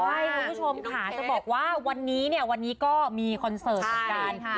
ใช่คุณผู้ชมค่ะจะบอกว่าวันนี้ก็มีคอนเสิร์ตกันค่ะ